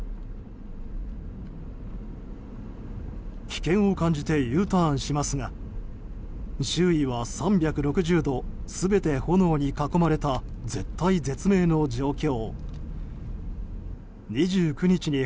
危険を感じてＵターンしますが周囲は３６０度全て炎に囲まれた絶体絶命の状況。